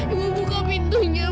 ibu buka pintunya bu